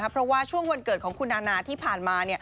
เพราะว่าช่วงวันเกิดของคุณนานาที่ผ่านมา